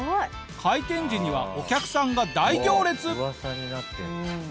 開店時にはお客さんが大行列！